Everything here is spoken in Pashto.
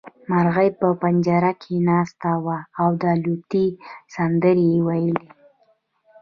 مرغۍ په پنجره کې ناسته وه او د الوتنې سندرې يې ويلې.